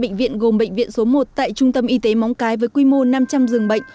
bệnh viện gồm bệnh viện số một tại trung tâm y tế móng cái với quy mô năm trăm linh giường bệnh